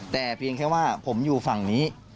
แต่เพียงแค่ว่าผมอยู่ฝั่งนี้